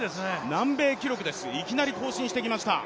南米記録です、いきなり更新してきました。